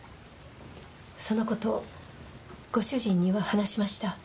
その事ご主人には話しました？